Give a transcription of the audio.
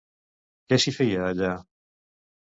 Què s'hi feia allà?